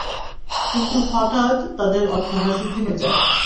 কিন্তু হঠাৎ তাদের অট্টহাসি থেমে যায়।